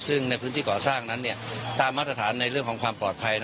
ซึ่งในพื้นที่ก่อสร้างนั้นตามมาตรฐานในเรื่องของความปลอดภัย